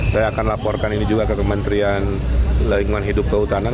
saya akan laporkan ini juga ke kementerian lingkungan hidup kehutanan